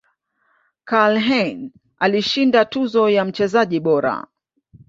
Karlheine alishinda tuzo ya mchezaji bora